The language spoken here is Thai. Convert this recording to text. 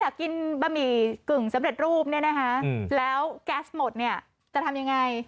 อยากกินบะหมี่กึ่งสำเร็จรูปเนี่ยนะคะแล้วแก๊สหมดเนี่ยจะทำยังไง